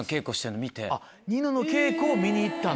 ニノの稽古を見に行ったんだ。